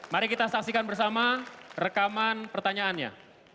mari kita saksikan bersama rekaman pertanyaannya